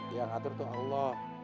yang atur tuhan allah